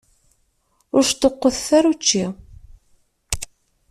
Ur sṭuqqutet ara učči.